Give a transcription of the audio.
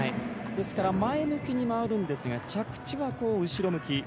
前向きに回るんですが着地は後ろ向き。